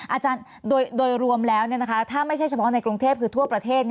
อาจารย์โดยรวมแล้วถ้าไม่ใช่เฉพาะในกรุงเทพคือทั่วประเทศ